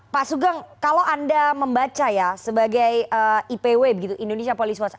pak sugeng kalau anda membaca ya sebagai ipw begitu indonesia police watch